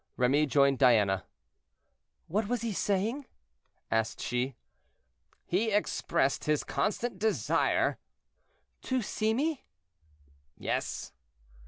Remy rejoined Diana. "What was he saying?" asked she. "He expressed his constant desire—" "To see me?" "Yes."